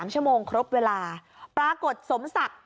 ๓ชั่วโมงครบเวลาปรากฏสมศักดิ์